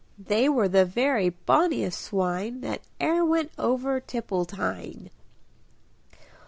They were the very bonniest swine That e'er went over Tipple tine."